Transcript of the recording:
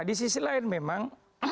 di sisi lain memang